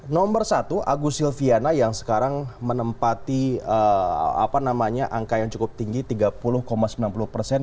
nomor satu agus silviana yang sekarang menempati angka yang cukup tinggi tiga puluh sembilan puluh persen